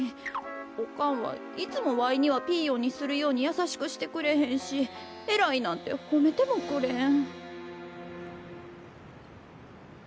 おかんはいつもわいにはピーヨンにするようにやさしくしてくれへんし「えらい」なんてほめてもくれん。